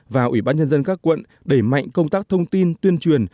và ủy ban nhân dân các quận đẩy mạnh công tác thông tin tuyên truyền